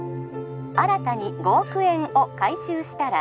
☎新たに５億円を回収したら